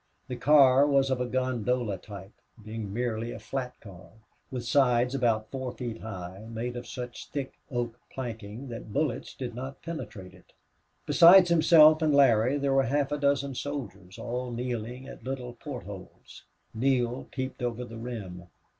The car was of a gondola type, being merely a flat car, with sides about four feet high, made of such thick oak planking that bullets did not penetrate it. Besides himself and Larry there were half a dozen soldiers, all kneeling at little port holes. Neale peeped over the rim.